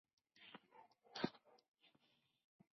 Tiene las manos con las capacidades motrices finas.